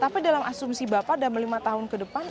tapi dalam asumsi bapak dalam lima tahun ke depan